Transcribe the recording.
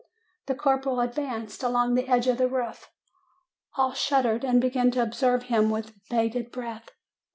"The corporal advanced along the edge of the roof. All shuddered, and began to observe him with bated breath.